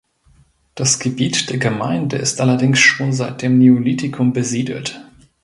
Das Gebiet der Gemeinde ist allerdings schon seit dem Neolithikum besiedelt.